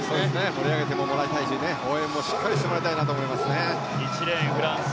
盛り上がってもらいたいし応援もしっかりしてもらいたいと思います。